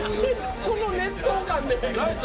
その熱湯感で！